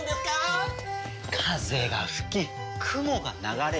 風が吹き雲が流れる。